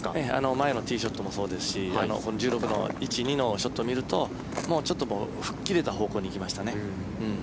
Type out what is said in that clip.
前のティーショットもそうですし１６番の１、２のショットを見るとちょっと吹っ切れた方向に行きましたね。